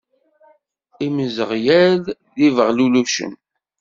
Imzeɣyal d ibeɣlellucen.